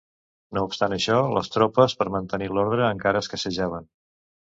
No obstant això, les tropes per mantenir l'ordre encara escassejaven.